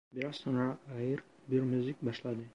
Biraz sonra ağır bir müzik başladı.